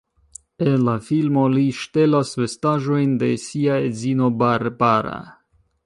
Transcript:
En la filmo li ŝtelas vestaĵojn de sia edzino Barbara.